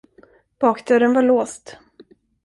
Bakdörren var låst.